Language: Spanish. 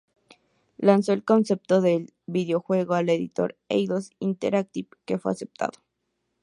Lanzó el concepto del videojuego al editor Eidos Interactive, que fue aceptado.